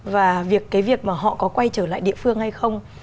và việc cái việc mà họ có quay trở lại địa phương hay không